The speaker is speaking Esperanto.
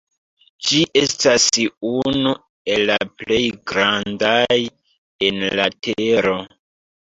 Ĝi estas unu el la plej grandaj en la tero.